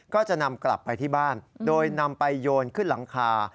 ก็จะนำกลับไปที่บ้านโดยนำไปโยนขึ้นหลังคา